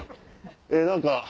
何か。